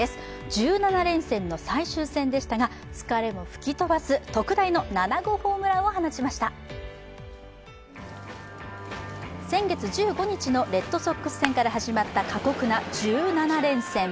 １７連戦の最終戦でしたが、疲れも吹き飛ばす特大の７号ホームランを放ちました先月１５日のレッドソックス戦から始まった過酷な１７連戦。